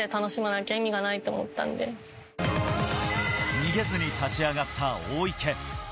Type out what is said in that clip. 逃げずに立ち上がった大池。